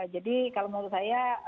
jadi kalau menurut saya